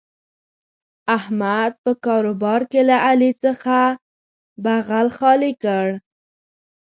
احمد په کاروبار کې له علي څخه بغل خالي کړ.